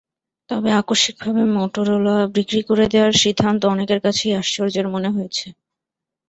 তবে আকস্মিকভাবে মটোরোলা বিক্রি করে দেওয়ার সিদ্ধান্ত অনেকের কাছেই আশ্চর্যের মনে হয়েছে।